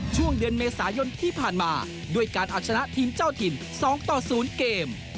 ช่วงเดือนเมษายนที่ผ่านมาด้วยการเอาชนะทีมเจ้าถิ่น๒ต่อ๐เกม